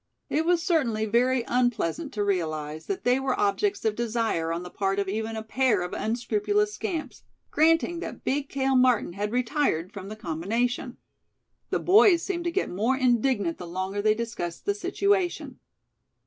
It was certainly very unpleasant to realize that they were objects of desire on the part of even a pair of unscrupulous scamps, granting that big Cale Martin had retired from the combination. The boys seemed to get more indignant the longer they discussed the situation.